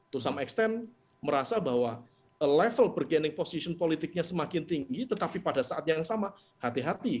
to some extent merasa bahwa level bergening position politiknya semakin tinggi tetapi pada saat yang sama hati hati